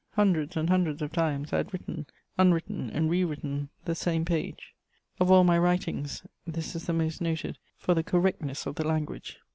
Hundreds and hundreds of times I had written, unwritten and rewritten the same page. Of all my writings, this is the most noted for the correctness of the language.